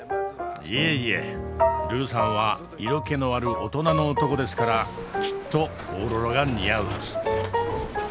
いえいえルーさんは色気のある大人の男ですからきっとオーロラが似合うはず。